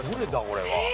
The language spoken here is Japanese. これは。